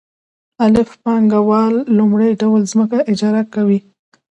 الف پانګوال لومړی ډول ځمکه اجاره کوي